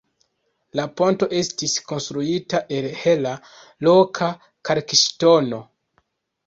La ponto estis konstruita el hela, loka kalkŝtono.